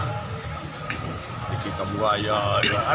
sedikit kembali aja